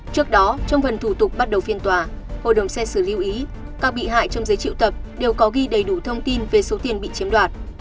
trước đó trong phần thủ tục bắt đầu phiên tòa hội đồng xét xử lưu ý các bị hại trong giấy triệu tập đều có ghi đầy đủ thông tin về số tiền bị chiếm đoạt